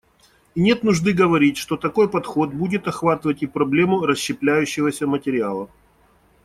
И нет нужды говорить, что такой подход будет охватывать и проблему расщепляющегося материала.